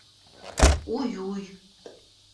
– Уй-уй.